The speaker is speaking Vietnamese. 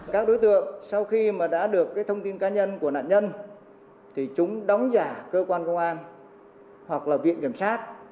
các đối tượng sau khi mà đã được thông tin cá nhân của nạn nhân thì chúng đóng giả cơ quan công an hoặc là viện kiểm sát